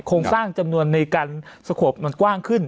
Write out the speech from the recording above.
โครงสร้างจำนวนในการสงบมันกว้างขึ้น